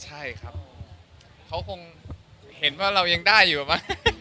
ใช่ครับเขาคงเห็นว่าเรายังได้อยู่ไหม